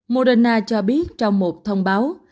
moderna cho biết trong một thông báo